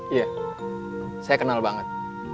iya saya kenal banget